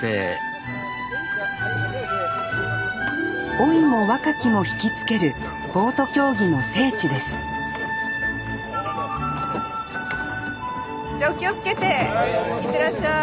老いも若きもひきつけるボート競技の聖地ですじゃあお気をつけていってらっしゃい。